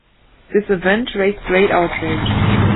This event raised great outrage.